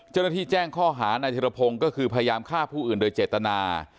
เจ้าหน้าที่แจ้งข้อหานายธิรพงศ์ก็คือพยายามฆ่าผู้อื่นโดยเจตนา